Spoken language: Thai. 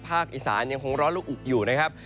อีสานยังคงร้อนลูกอุอยู่นะครับ